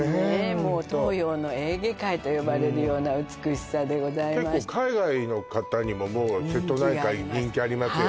もう東洋のエーゲ海と呼ばれるような美しさでございました結構海外の方にも瀬戸内海人気ありますよね